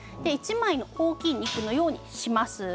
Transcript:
１枚の大きい肉のようにします。